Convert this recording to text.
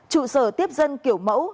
trụ sở tiếp dân kiểu mẫu